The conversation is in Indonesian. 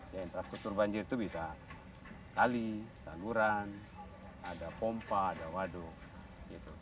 ya infrastruktur banjir itu bisa kali tangguran ada pompa ada waduk